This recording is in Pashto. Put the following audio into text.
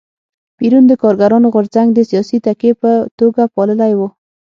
پېرون د کارګرانو غورځنګ د سیاسي تکیې په توګه پاللی و.